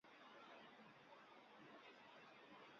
بردیانمە ژوورێکی زۆر تاریک